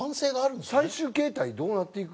最終形態どうなっていくわけ？